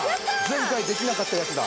前回できなかったやつだ。